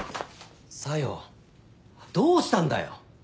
小夜どうしたんだよ？